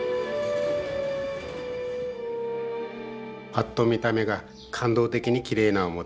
パッと見た目が感動的にきれいな表